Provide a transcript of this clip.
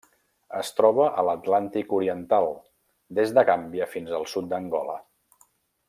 Es troba a l'Atlàntic oriental: des de Gàmbia fins al sud d'Angola.